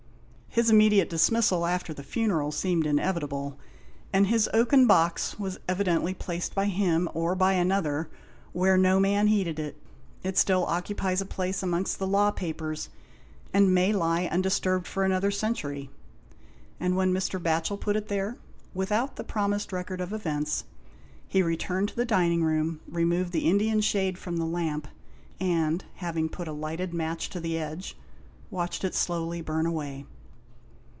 His immediate dismissal, after the funeral, seemed inevitable, and his oaken box was evidently placed by him, or by another, where no man heeded it. It still occupies a place 143 GHOST TiXES. amongst the law papers and may lie undis turbed for another century; and when Mr. Batchel put it there, without the promised record of events, he returned to the dining room, removed the Indian shade from the lamp, and, having put a lighted match to the edge, watched it slowly burn away.